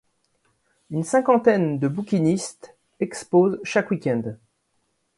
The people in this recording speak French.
Une cinquantaine de bouquinistes exposent chaque week-end.